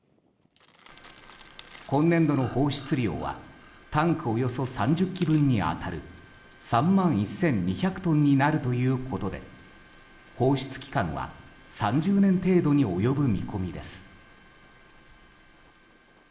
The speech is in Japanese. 今年度の放出量はタンクおよそ３０基分に当たる３万１２００トンになるということで放出期間は３０年程度に及ぶ見込みです。